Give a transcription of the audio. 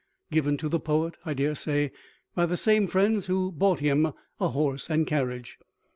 W. given to the poet, I dare say, by the same friends who bought him a horse and carriage.